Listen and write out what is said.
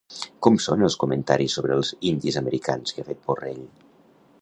Com són els comentaris sobre els indis americans que ha fet Borrell?